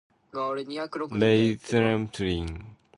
Ladeuzeplein.